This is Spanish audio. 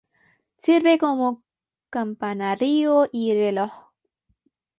Sirve como campanario y reloj.